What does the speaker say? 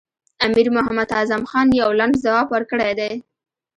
امیر محمد اعظم خان یو لنډ ځواب ورکړی دی.